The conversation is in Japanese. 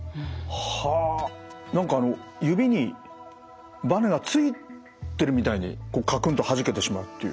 はあ何か指にばねがついてるみたいにかくんとはじけてしまうという。